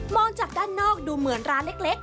จากด้านนอกดูเหมือนร้านเล็ก